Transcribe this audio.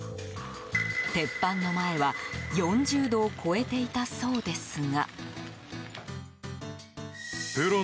鉄板の前は、４０度を超えていたそうですが。